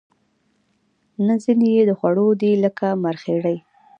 نه ځینې یې د خوړلو دي لکه مرخیړي